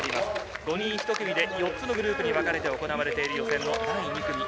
５人１組で４つのグループに分かれて行われている、予選の第２組。